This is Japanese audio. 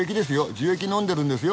樹液飲んでるんですよ。